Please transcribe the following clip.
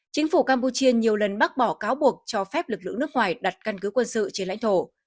chính phủ campuchia nhiều lần bác bỏ cáo buộc cho phép lực lượng nước ngoài đặt căn cứ quân sự trên lãnh thổ